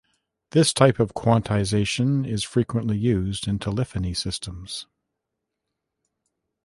This type of quantization is frequently used in telephony systems.